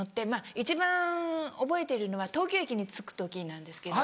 一番覚えてるのは東京駅に着く時なんですけども。